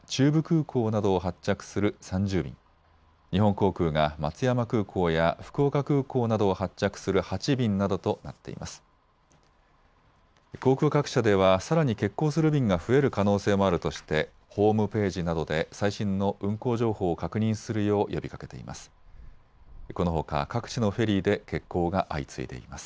航空各社ではさらに欠航する便が増える可能性もあるとしてホームページなどで最新の運航情報を確認するよう呼びかけています。